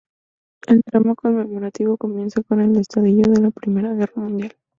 El drama conmemorativo comienza con el estallido de la Primera Guerra Mundial.